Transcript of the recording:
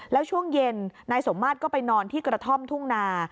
แล้วช่วงเย็นนายสมมาตรก็ไปนอนที่กระท่อมทุ่งนา